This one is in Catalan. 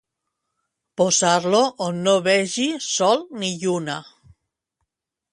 Posar-lo on no vegi sol ni lluna.